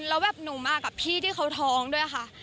แล้วแบบหนูมากับพี่ที่เขาท้องด้วยค่ะ